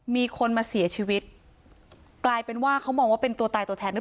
มีคนมาเสียชีวิตกลายเป็นว่าเขามองว่าเป็นตัวตายตัวแทนด้วย